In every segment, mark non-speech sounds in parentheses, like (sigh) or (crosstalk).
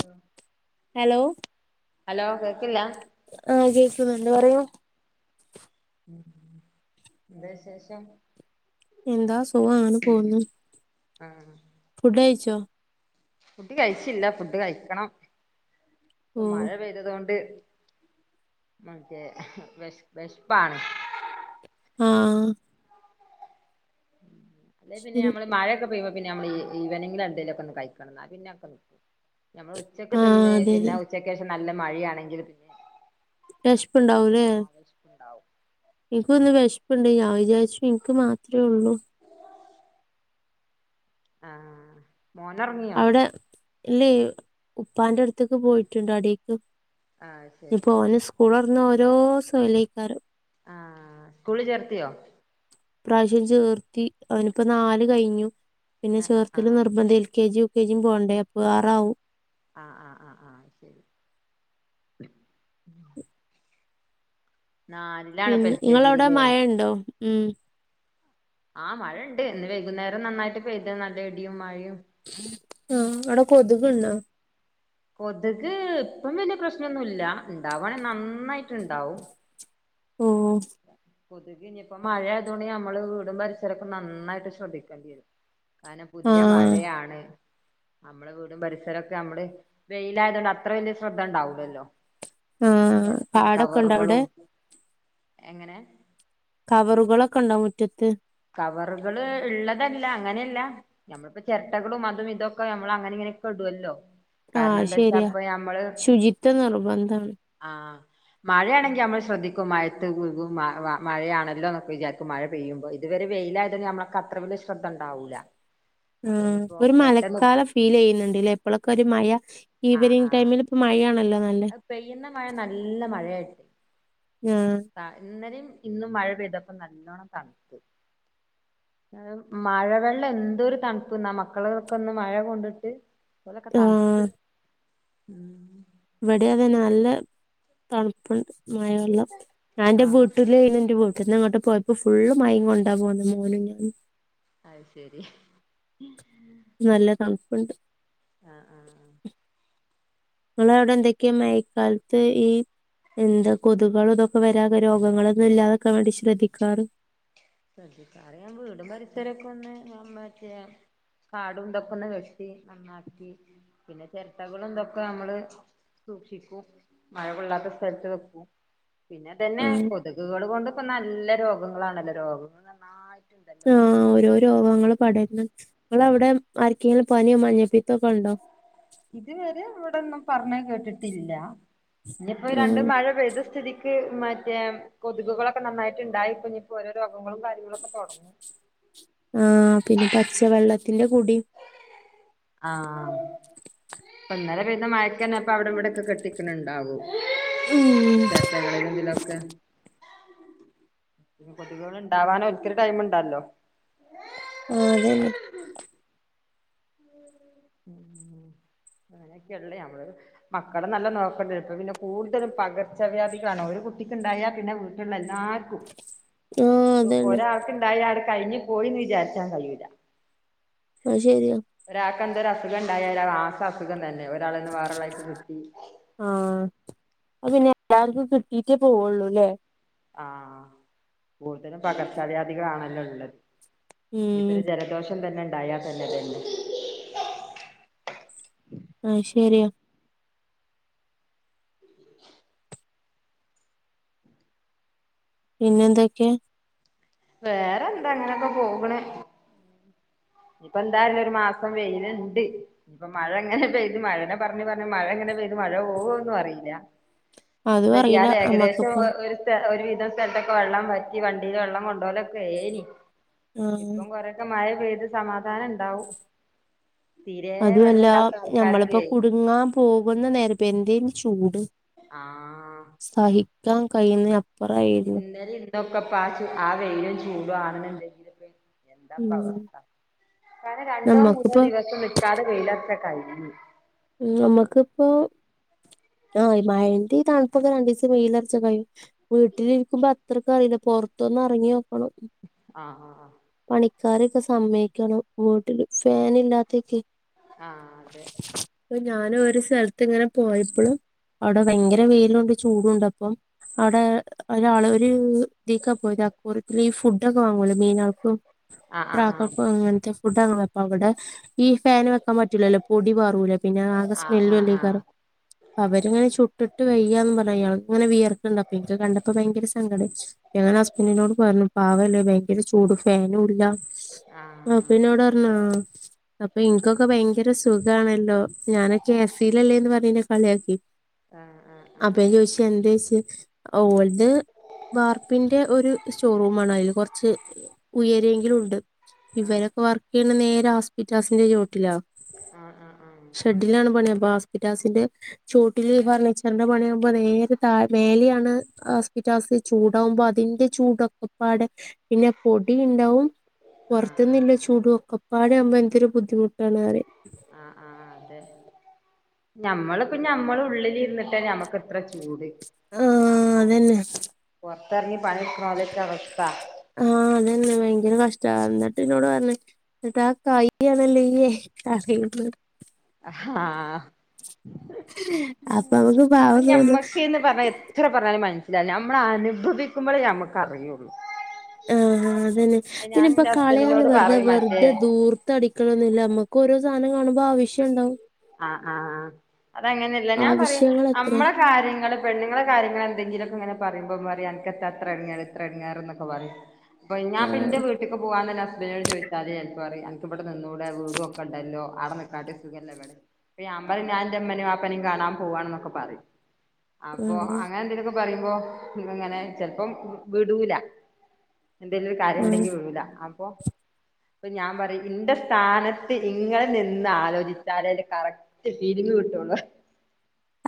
Hello hello ആഹ് കേക്ക്ന്ന്ണ്ട് പറയൂ ഉം എന്താ വിശേഷം എന്താ സുഖാണ് പോവ്ന്ന് ആഹ് ഫുഡ് കയ്ച്ചോ? ഫുഡ് കയ്ച്ചില്ല ഫുഡ് കയ്ക്കണം ഓഹ് പ്പമഴ പെയ് തതോണ്ട് മറ്റേ വെഷ് വെഷ്പാണ് ആഹ് അല്ലെ പിന്നെ ശരി നമ്മള് മഴൊക്കെ പെയുമ്പൊ പിന്നെ നമ്മള് ഈ ഈവനിങ്ങിലെന്തേലൊക്കൊന്ന് കയിക്കണം ഇന്നാ പിന്നെ കഹോക്കെ നി ഞമ്മള് ഉച്ചക്ക് ആഹ് തിന്ന് അതെ പിന്നെ അതെ അഹ്‌ ഉച്ചക്കേഷം നല്ല മഴിയാണെങ്കില് വെശ്പ്പ്ണ്ടാവുലേ വെശ്പ്പ്ണ്ടാവും ഇൻക്കൊന്ന് വെശ്പ്പ്ണ്ടെ ഞാൻ വിചാര്ച്ചു ഇൻക്ക് മാത്രേ ഒള്ളു ആഹ് മോനൊർങ്ങിയോ? അവടെ ഇല്ലേ ഉപ്പാന്റെ അടുത്തേക്ക് പോയിട്ടുണ്ടാടീക്ക് ആഹ് ശരി നീപോന സ്കൂ കുളൊർന്ന ഓരോ സൊലിക്കാരം ആഹ് സ്കൂളി ചേർത്തിയോ ഈ പ്രാവശ്യം ചേർത്തി അവനിപ്പോ നാല് കഴിഞ്ഞു പിന്നെ ആഹ് ആഹ് ചേർത്തല് ആഹ് നിർബന്ധ എൽ കെ ജി കെജി പോവണ്ടേ അപ്പൊ ആറാവും ആഹ് ആഹ് ആഹ് ആഹ് ശരി നാല് പിന്ന ഇങ്ങളവിടെ മഴേണ്ടോ ഊം ആഹ് മഴേണ്ട് ഇന്ന് വൈകുന്നേരം നന്നായിട്ട് പെയ്ത് നല്ല ഇടിയും മഴയും ആഹ് അവിട കൊതുകിണ്ടോ കൊതുക് ഇപ്പം വലിയ പ്രശ്നൊന്നുല്ല ഉണ്ടവാണെ നന്നായിട്ട് ഉണ്ടാവും ഉം കൊതുക് ഇഞ്ഞിപ്പോ മഴയതുകൊണ്ട് നമ്മള് വീടും പരിസരൊക്കെ നന്നായിട്ട് ശ്രദ്ധിക്കേണ്ടി വരും കാരണം പുതിയ ആഹ് മഴയാണ് നമ്മള വീടും പരിസരൊക്കെ നമ്മള് വെയിലയതുകൊണ്ട് അത്ര വലിയ ശ്രദ്ധ ഉണ്ടാവൂല്ലല്ലോ ആഹ് പാടൊക്കെ ഉണ്ട അവിടെ എങ്ങനെ കവറുകളൊക്കെ ഉണ്ടോ മുറ്റത്ത് കവറുകള് ഇള്ളതല്ല അങ്ങനെല്ല നമ്മളിപ്പ ചെരട്ടകളും അതും ഇതൊക്കെ നമ്മളങ്ങനെ ഇങ്ങനെയെക്ക ഇടുവല്ലോ കാരണം ആഹ് എന്താ വെച്ചാ ശരിയാ ഇപ്പ ഞമ്മള് ശുചിത്വ നിർബന്ധാണ് ആഹ് മഴയാണെങ്കി നമ്മള് ശ്രദ്ധിക്കും മഴയത്ത് കും കും മ മ മഴയാണല്ലോ എന്നൊക്കെ വിചാരിക്കും മഴ പെയ്യുമ്പോ ഇതുവരെ വെയിലായത നമ്മക്ക് അത്ര വലിയ ശ്രദ്ധണ്ടാവൂല്ല ഊം ഒരു മഴക്കാലം ഫീലെയ്യുന്നുണ്ട് ഇല്ലേ ഇപ്പളൊക്കെ ഒരു മഴ ആഹ് ഈവനിങ് ആഹ് ടൈമില് മഴ ആണല്ലോ നല്ല അത് പെയ്യുന്ന മഴ നല്ല മഴയായി ആഹാ ആഹ് ഇന്നലേം ഇന്നും മഴ പെയ്തപ്പോ നല്ലോണം തണുത്തു അത് മഴ വെള്ളം എന്തൊരു തണുപ്പ്ന്നാ മക്കള്കളൊക്കൊന്ന് മഴ കൊണ്ട്ട്ട് ലൊക്കെ തണുത്ത് ആഹ് ഉം ഇവിടെ അതേ നല്ല തണുപ്പുണ്ട് മഴവെള്ളം ഞാൻ ഇന്റെ ആഹ് വീട്ട് (unintelligible) ന്റെ വീട്ടീന്ന് ഇങ്ങട്ട് പോയപ്പോ ഫുള്ളും മയേംകൊണ്ടാ പോകുന്ന മോനും ഞാനും അത് ശരി നല്ല തണുപ്പുണ്ട് ആഹ് ആഹ് ആഹ് നിങ്ങള അവിടെ എന്തൊക്കെയാ മയക്കാലത്ത് ഈ എന്താ കൊതുകുകളും ഇതൊക്കെ വരാതെ രോഗങ്ങളൊന്നും ഇല്ലാതാക്ക വേണ്ടി ശ്രദ്ധിക്കാറ് ശ്രദ്ധിക്കാറ് ഞാൻ വീടും പരിസരൊക്കൊന്ന് നമ മറ്റേ കാടും ഇതൊക്കെ ഒന്ന് വെട്ടി നന്നാക്കി പിന്നെ ചെരട്ടകളിന്തൊക്കെ നമ്മള് സൂക്ഷിക്കും മഴ കൊള്ളാത്ത സ്ഥലത്ത് വെക്കും പിന്നെ ഇതന്നെ ആഹ് കൊതുകുകള് കൊണ്ട് ഇപ്പോ നല്ല രോഗങ്ങളാണല്ലോ രോഗ ആഹ് ഓരോ രോഗങ്ങള് പടരുന്നു ആ നിങ്ങളവിടെ ആരിക്കെങ്കിലും പനിയോ മഞ്ഞപ്പിത്തോക്കൊ ഒണ്ടോ ഇതുവരെ ഇവിടൊന്നും പറഞ്ഞ കേട്ടിട്ടില്ല ഇനിപ്പോ രണ്ട് ആഹ് മഴ പെയ്ത സ്ഥിതി ക്ക് മറ്റേ കൊതുകുകളൊക്കെ നന്നായിട്ട് ഇണ്ടായിപ്പോ ഇനിപ്പോ ഓരോ രോഗങ്ങളും കാര്യങ്ങളൊക്കെ തൊടങ്ങും ആഹ് പിന്നെ പച്ചവെള്ളത്തിന്റെ കുടീം ആഹ് ഇപ്പൊന്നലെ പെയ്ത മഴക്കന്നെ ഇപ്പ അവിടെ ഇവിടെക്കെ കെട്ടിക്കണുണ്ടാവും ഉം (inaudible) കൊതുകുകളുണ്ടാവാൻ ഒരിക്കൊരു ടൈമുണ്ടല്ലോ ആഹ് അതെന്നെ ഉം അനൊക്കെയല്ലെ നമ്മള് മക്കളെ നല്ല നോക്കണ്ട ഇപ്പ പിന്നെ കൂടുതലും പകർച്ചവ്യാധി കാണോ ഒരു കുട്ടിക്ക് ഉണ്ടായാൽ പിന്നെ പിന്നെ എല്ലാർക്കും ആഹ് അതന്നെ ഒരാൾക്ക്ണ്ടായ അവിടെ കഴിഞ്ഞു പോയിന്ന് വിചാരിച്ചാൻ കഴിയൂല അത് ശരിയ ഒരാൾക്ക് എന്തൊരു അസുഖം ഉണ്ടായ അത് ആസ അസുഖം തന്നെ ഒരാളന്ന് വേറള്ളായിക്ക് കിട്ടി ആഹ് അത് പിന്നെ എല്ലാവർക്കും കിട്ടീട്ടേ പോവുള്ളൂല്ലേ ആഹ് കൂടുതലും പകർച്ചാവ്യാദികളാണല്ലോ ഉള്ളത് ഇപ്പൊ ഉം ഒരു ജ ലദോഷം തന്നെ ഉണ്ടായ തന്നെ തന്നെ അത് ശരിയാ (inaudible) പിന്നെന്തൊക്കെയ വേറെ എന്താ അങ്ങനെയൊക്കെ പോകണ് ഇപ്പ എന്തായാലും ഒരു മാസം വെയിലുണ്ട് ഇപ്പൊ മഴ എങ്ങനെ പെയ്ത് മഴനെ പറഞ്ഞ് പറഞ്ഞ് മഴ എങ്ങനെ പെയ്ത് മഴ പോകുവോന്നും അറിയില്ല അതും അറിയില്ല (unintelligible) ഏകദേശം നമ്മക്കിപ്പോ ഒരു ഒരു വിധം സ്ഥലത്തൊക്കെ വെള്ളം വറ്റി വണ്ടില് വെള്ളം കൊണ്ടോകലൊക്കെ ഏനി ആഹ് ഇപ്പം കൊറെ മഴ പെയ്ത് സമാധാനം ഉണ്ടാവും തീരെ അതുവല്ല വെള്ളല്ലാത്ത ഞമ്മളിപ്പോ ആൾക്കാർക്കേ കുടുങ്ങാൻ പോകുന്ന നേരത്തെ എന്തേ (unintelligible) ചൂട് ആഹ് സഹിക്കാൻ കഴിയുന്നെയ ഇന്നലെ ഇന്നൊക്കെപ്പആ ആ വെയിലും ചൂടും ആണുന്നുണ്ടെങ്കിലൊക്കെ എന്താപ്പ ഉം അവസ്ഥ കാരണം രണ്ടോ മൂന്നോ നമ്മക്കിപ്പോ ദിവസം നിക്കാതെ വെയിലുറച്ച കഴിയും നമ്മുക്കിപ്പോ ആഹ് ഈ മഴന്റെ തണുപ്പൊക്കെ രണ്ട് ദിവസം വെയിലുറച്ച കഴിയും വീട്ടിലിരിക്കുമ്പോ അത്രക്കറിയില്ല പൊറത്തൊന്ന് ഇറങ്ങി നോക്കണം ആഹ് ആഹ് ആഹ് പണിക്കാരെയൊക്കെ സമ്മയ്ക്കണം വീട്ടില് ഫാൻ ഇല്ലാത്തെക്കെയെ ആഹ് അതെ അപ്പൊ ഞാനും ഒരു സ്ഥലത്ത് ഇങ്ങനെ പോയപ്പളും അവിടെ ഭയങ്കര വെയില് വൊണ്ട് ചൂടുവുണ്ട് അപ്പം അവിടെ ഒരാള് ഒര് ഇതൊക്കെ പോയിത് അക്കോറിയത്തില് ഈ ഫുഡ് ഒക്കെ വാങ്ങൂലെമീന് ആൾക് ആഹ് ആഹ് (unintelligible) (unintelligible) അവിടെ ഈ ഫാനും വെക്കാൻ പറ്റൂലല്ലോ പൊടി പറ പിന്നെ ആകെ ആഹ് ആഹ് ആഹ് സ്മെല്ലല്ലെ കറ അവരിങ്ങനെ ചുട്ടിട്ട് വയ്യാ എന്ന് പറയാ ഇങ്ങനെ വിയർക്കുണ്ട് അപ്പ എനിക്ക് കണ്ടപ്പോ ഭയങ്കര സങ്കടച്ച് ഞാൻ ഹസ്ബന്റിനോട് പറഞ്ഞു പാവല്ലേ ഭയങ്കര ചൂട് ഫാനും ഇല്ല ആഹ് പിന്നോട് പറഞ്ഞോ അപ്പൊ ഇനക്കൊക്കെ ഭയങ്കര സുഖാണല്ലോ ഞാനൊക്കെ (unintelligible) അല്ലേന്ന് പറഞ്ഞെന്നെ കളിയാക്കി ആഹ് ആഹ് ആഹ് ആഹ് അപ്പം ചോദിച്ച് എന്തേച്ച് ഓൾത് വാർപ്പിന്റെ ഒരു ഷോറൂമാണ് അതില് കുറച്ച് ഉയരേങ്കിലും ഉണ്ട് ഇവരൊക്കെ വർക്ക് ചെയ്യണ നേരെ ആസ്പെറ്റാസിന്റെ ചുവട്ടിലാ ആഹ് ആഹ് ആഹ് ഷെഡിലാണ് പണി അപ്പൊ ആസ്പെറ്റാസിന്റെ ചുവട്ടില് ഫർണിച്ചറിന്റെ പണിയകുമ്പോ നേരെ താഴ മേലെയാണ് ആസ്പിറ്റാസ്ചൂടാവുമ്പോ അതിന്റെ ചൂടൊക്കെപ്പാട് പിന്നെ പൊടി ഉണ്ടാവും ആഹ് പുറത്തന്നില്ല ചൂട് ഒക്കെപ്പാട ആകുമ്പോ എന്തൊരു ബുദ്ധിമുട്ട് കാണറി ആഹ് ആഹ് അതെ ഞമ്മളിപ്പ ഞമ്മൾ ഉള്ളിൽ ഇരുന്നിട്ട് ഞമ്മക്ക് എത്ര ചൂട് ആ അപ്പൊ അതന്നെ പുറത്തിറങ്ങി പണിക്കണലൊക്ക അവസ്ഥ ആഹ് അതന്നെ ഭയങ്കര കഷ്ട എന്നിട്ട് എന്നന്നോട് പറഞ്ഞ എന്നട്ട ആ കായ ആണല്ലേേ ക (unintelligible) ആഹ് അപ്പൊ നമുക്ക് പാവം തോന്നും ഞമ്മക്കേന്ന് പറഞ്ഞ ഇത്ര പറഞ്ഞാല് മനസ്സിലാവില്ല നമ്മള അനുഭവിക്കുമ്പോഴേ നഞമ്മക്ക അറിയുള്ളു ആഹ് അതന്നെ പിന്നെ ഇപ്പ കളയാന്ന് ഹസ്ബൻഡിനോട് വെറുതെ പറയും വെറുതെ മറ്റേ ദൂർ അടിക്കണംന്നില്ല നമ്മുക്ക് ഓരോ സാധനം കാണുമ്പോ ആവശ്യം ഉണ്ടാവും ആഹ് ആഹ് ആഹ്അതങ്ങനല്ല ഞാൻ പറയാ ആവശ്യങ്ങൾ എത്ര നമ്മളെ കാര്യങ്ങള് പെണ്ങ്ങളെ കാര്യങ്ങ എന്തെങ്കിലുമൊക്കെ ഇങ്ങനെ പറുമ്പോ പറയാ എന അത്ര എടങ്ങാറ് ഇത്ര എടങ്ങാറ് എന്നൊക്കെ പറയും അപ്പൊ ഞാൻ പിന്നെ ആഹ് വീട്ടിലക്ക് പോവാന്നല്ല അന്നോട് ചോദിച്ചാല് ചെലപ്പ പറയും എനക്ക് ഇവിടെ നിന്നൂ വീടും ഒക്കെ ഉണ്ടല്ലോ അടെ നിക്കാട്ടെ സുഖല്ല ഇവിടെ അപ്പ ഞൻ പറയും ഞാ ൻഎന്റെ ഉമ്മ നെയും വാപ്പ നെയും കാണാൻ പോവാന്നൊക്കെ പറയും അപ്പൊ ആഹ് അങ്ങനെ എന്തക്ക പറയുമ്പോ അങ്ങനെ ചെലപ്പം വിടൂല എന്തെേലും ഒരു കാര്യം ആഹ് ഉണ്ടെങ്കിൽ വിടൂലഅപ്പൊ അപ്പൊ ഞാൻ പറയും എന്റെ സ്ഥാനത്ത് ഇങ്ങള് നിന്ന് ആലോചിച്ചാലേ കറക്റ്റ് ഫീലിംഗ് കിട്ടുള്ളൂ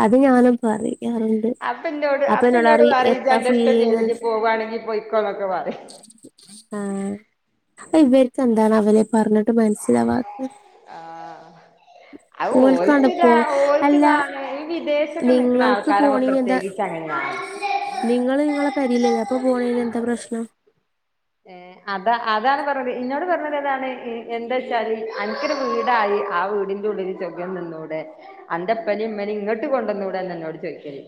അത് ഞാനും പറയും പറയാറുണ്ട് അപ്പൻന്റോട് അപ്പൊ എന്നോട് അപ്പന്റോട് പറയും ജ് എത്താ അന്റെ ഇഷ്ടം ഫീലിങ് ചെയ്തി പോകുകയാണെങ്കിൽ പോയ്ക്കോന്നൊക്കെ പറയും ആഹ് ഇവർക്ക് എന്താണ് അവന പറഞ്ഞിട്ട് മനസ്സിലാവാ ആഹ് അഹ് ഓൽക്കുക ഓൽക്കാണ്ട്പ്പോ അല്ല ഓൽക്കതാണ് ഈ വിദേശ ത്ത് നിൽക്കുന്ന നിങ്ങൾക്ക് ആൾക്കാര പോണീന് എന്താ പ്രത്യേകിച്ച അങ്ങനാണ് നിങ്ങള് നിങ്ങളെ പെരിലല്ലെ അപ്പ പോണന് എന്താ പ്രശ്നം ഏ അതാ അതാണ് പറഞ്ഞത് ഇന്നോട് പറഞ്ഞത് ഏതാണ് എന്താ വച്ചാൽ അനക്കൊരു വീടായി ആ വീടിന്റെ ഉള്ളിൽ ചഖം നിന്നൂടെ അന്റെപ്പനേ ഇമ്മനി ഇങ്ങോട്ട് കൊണ്ടുവന്നൂടെ എന്ന എന്നോട് ചോദിക്കല്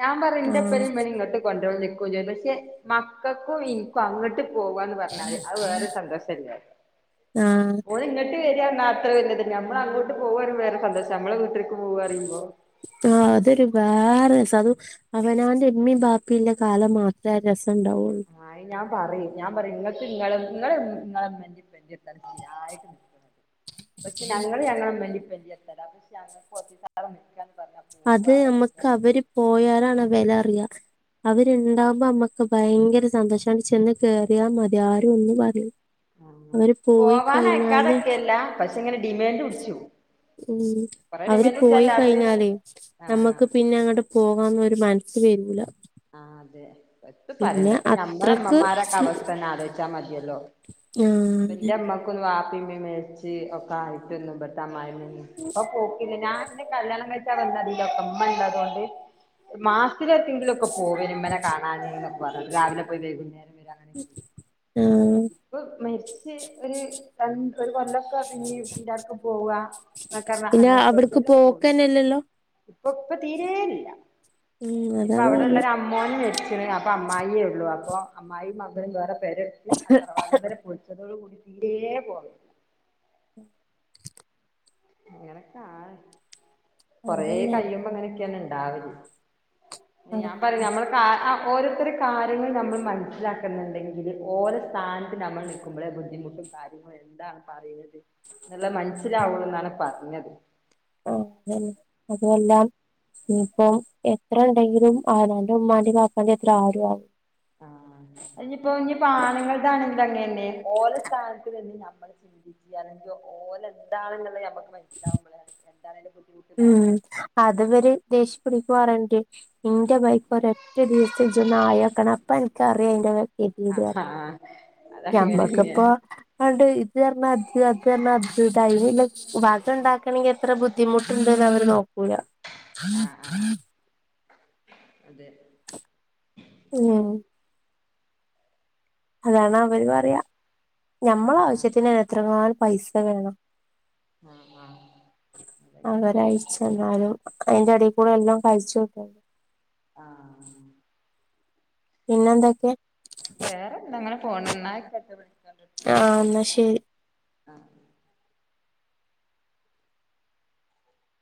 ഞാൻ പറഞ്ഞു എന്റെപ്പനേ ആഹ് ഇമ്മ നേഇങ്ങോട്ട് കൊണ്ടോന്ന് നിൽക്കുവ ചെയ്യും പക്ഷെ മക്കൾക്കും ഇനിക്കും അങ്ങോട്ട് പോവാന്ന് പറഞ്ഞാല് അത് വേറെ ഒരു സന്തോഷല്ലെ ആഹ് ഓര് ഇങ്ങിട്ട് വരി അത്ര വന്നെ നമ്മൾ അങ്ങോട്ട് പോകും വേറെ സന്തോഷം നമ്മള വീട്ടിലേക്ക് പോവന്ന് പറയുമ്പോ ആ അതൊരു വേറെ രസാ അവനോന്റെ ഉമ്മീ ബാ പ്പല്ലെ കാലം മാത്രേ രസം ഉണ്ടാവുള്ളൂ ആ ഞാൻ പറയും ഞാൻ പറയും നിങ്ങക്ക് ഇങ്ങളെ നിങ്ങളെ നിങ്ങളമ്മന്റെ (unintelligible) ആയിട്ട് നിൽക്കണം പക്ഷെ ഞങ്ങള് ഞങ്ങളെ ഉമ്മാന്റെയും ഉപ്പാന്റെയും എത്തരാ പക്ഷെ ഞങ്ങക്ക് കൊർച്ചു സം അത് നമക്ക് അവര് പറഞ്ഞാല് പോയാലാണ് വില അറിയ അവരുണ്ടാവകുമ്പോ അമ്മക്ക് ഭയങ്കര സന്തോഷമാണ് ചെന്ന് കേറിയാൽ മതി ആരും ഒന്നും പറയൂല ആഹ് അവര് പോയി പോവാൻ കഴിഞ്ഞാല് അയക്കാതെക്കെയല്ല പക്ഷെ ഇങ്ങനെ ഡിമാൻഡ് പുടിച്ചു പോവും ഉം അവര് പോയി കഴിഞ്ഞാലേ ആഹ് നമ്മക്ക് പിന്നെ അങ്ങോട്ട് പോകാന്ന ഒരു മനസ്സ് വരൂല ആ അതെ പ പിന്നെ പറയണ്ടപ്പ ഞമ്മ അത്രക്ക് അമ്മമാരൊക്കെ അവസ്ഥ തന്നെ ആലോചിച്ചാ മതിയല്ലോ ആഹ് അതെ ക്കൊന്ന് വാപ്പേം ഉമ്മേം മരിച്ച് (unintelligible) ഇപ്പോ പോക്കില്ല ഞാൻ എന്റെ കല്യാണം കഴിച്ചാ (unintelligible) ഉമ്മള്ളതുകൊണ്ട് മാസത്തിലത്തി (unintelligible) പോവരിമ്മനെ കാണാനി പ (unintelligible) രാവിലെ പോയി വൈകുന്നേരം വരാ ആഹ് ഇപ്പോ മരിച്ച് ഒരു രണ്ട് ഒരു കൊല്ലം ഇപ്പ പിന്നേം എല്ലാർക്കും പോവാം അ (inaudible) പിന്നെ അവിടക്ക് പോക്കന്നെല്ലല്ലോ ഇപ്പൊ ഇപ്പ തീരേല്ല ഉം അതാണ് പറഞ്ഞെ അമ്മോനും മരിച്ച്ണ് അപ്പ അമ്മായിയേ ഒള്ളു അപ്പോ അമ്മായിയും മകനും വേറെ പെരവെച്ച് (inaudible) അങ്ങനൊക്കാണ് കൊറേ അതന്നെ കയിയുമ്പോ അങ്ങനൊക്കാണ് ഇണ്ടാവല് ആ ഞാൻ പറഞ്ഞു നമ്മള് ആഹ് ആഹ് ഓരോരുത്തരു കാര്യങ്ങള് നമ്മള് മനസ്സിലാക്കുന്നുണ്ടെങ്കിൽ ഓരോ സ്ഥാനത്ത് നമ്മള് നി ക്കുമ്പോളെ ബുദ്ധിമുട്ടും കാര്യങ്ങളും എന്താണ് പറയുന്നത് ന്നുള്ളത് മനസ്സിലാവുള്ളൂ എന്നാണ് പറഞ്ഞത് ഓഹ് അതന്നെ അതുവെല്ലാം ഇപ്പം എത്ര ഇണ്ടെങ്കിലും അവനവന്റെ ഉമ്മാന്റെ വാപ്പാന്റെ അത്ര ആരു ആവും ആഹ് അനിപ്പോ ഇനി ആണങ്ങളതാണെങ്കിലും അങ്ങന്നന്നെ ഓല സ്ഥാനത്ത് തന്നെ ഞമ്മള് ചിന്തിക്കയാണെങ്കി ഓലെന്താണെന്നുള്ളെ നമുക്ക് മനസിലാവുമ്പോളാണ് എന്താണ് അതിന്റെ ബുദ്ധി ഉം അതുവരെ ദേശ്യ പിടി (unintelligible) ണ്ട് എന്റെ ബൈക്ക് ഒരറ്റ ദിവസം ഇജ്ജോന്ന് ആയോക്കണം അപ്പ എനിക്കറിയാം ന്റെ വെ ആഹ് ഹാ ഞമ്മക്കിപ്പോ അണ്ട് ഇത് പർഞ്ഞാ അത് അത് പർഞ്ഞാ അത് (unintelligible) വതൊണ്ടാക്കണങ്കി എത്ര ബുദ്ധിമുട്ടുണ്ട്ന്ന് അവര് നോക്കുലാ ആഹ് ആഹ് അതെ ഉം അതാണ് അവര് വേറെ പറയാ ഞമ്മള ആഹ് ആവശ്യത്തിന് എത്ര (unintelligible) പൈസ വേണം ആഹ് ആഹ് അതങ്ങനെയല്ലേ എന്നാലും അയിന്റെടെ കൂടെ എല്ലാം കഴിച്ചുട്ടോ ആഹ് പിന്നെന്തൊക്കെ? വേറെന്തങ്ങനെ പോണ് എന്നാ (inaudible) ആഹ് എന്നാ ശെരി ആഹ്